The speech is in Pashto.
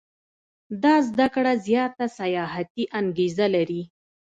دا زده کړه زیاته سیاحتي انګېزه لري.